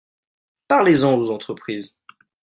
Parlez-en aux entreprises